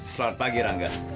selamat pagi rangga